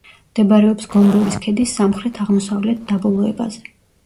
მდებარეობს გომბორის ქედის სამხრეთ-აღმოსავლეთ დაბოლოებაზე.